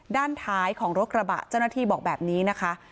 ด้านท้ายของรถกระบะเจ้าหน้าที่บอกแบบนี้นะคะ